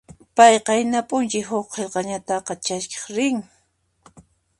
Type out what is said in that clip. Pay qayna p'unchay huk qillqanata chaskiq rin.